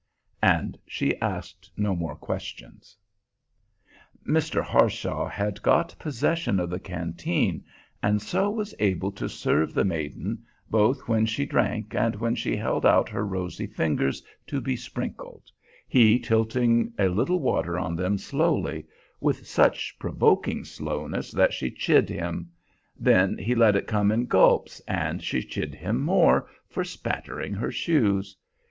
And she asked no more questions. Mr. Harshaw had got possession of the canteen, and so was able to serve the maiden, both when she drank and when she held out her rosy fingers to be sprinkled, he tilting a little water on them slowly with such provoking slowness that she chid him; then he let it come in gulps, and she chid him more, for spattering her shoes.